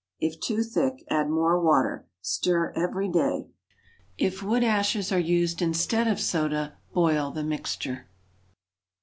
If too thick, add more water. Stir every day. If wood ashes are used instead of soda, boil the mixture.